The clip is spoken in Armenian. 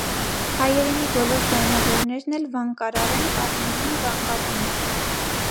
Հայերենի բոլոր ձայնավորներն էլ վանկարար են, կազմում են վանկաբուն։